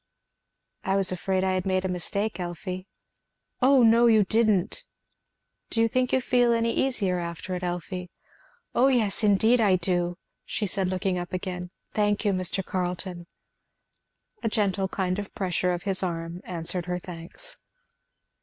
"I was afraid I had made a mistake, Elfie." "Oh, no, you didn't." "Do you think you feel any easier after it, Elfie?" "Oh yes! indeed I do," said she looking up again, "thank you, Mr. Carleton." A gentle kind pressure of his arm answered her thanks.